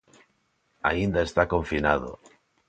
Aínda está confinado.